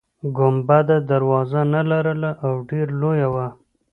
ګنبده دروازه نلرله او ډیره لویه وه.